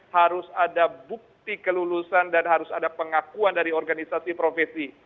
harus ada bukti kelulusan dan harus ada pengakuan dari organisasi profesi